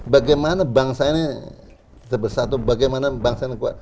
bagaimana bangsa ini sebesar atau bagaimana bangsa ini kuat